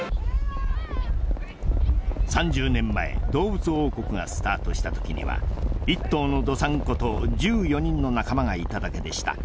３０年前動物王国がスタートしたときには１頭の道産子と１４人の仲間がいただけでした。